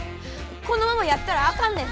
このままやったらあかんねん。